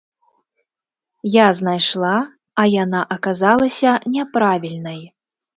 Я знайшла, а яна аказалася няправільнай.